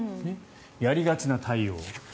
やりがちな対応。